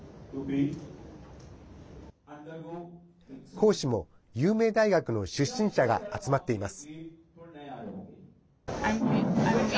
講師も有名大学の出身者が集まっています。